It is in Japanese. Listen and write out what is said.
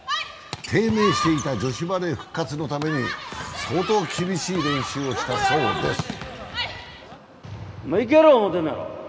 低迷していた女子バレー復活のために相当厳しい練習をしたそうです。